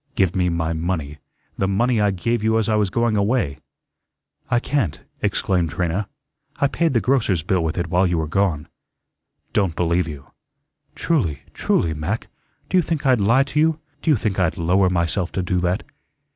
"Give me my money, the money I gave you as I was going away." "I can't," exclaimed Trina. "I paid the grocer's bill with it while you were gone." "Don't believe you." "Truly, truly, Mac. Do you think I'd lie to you? Do you think I'd lower myself to do that?"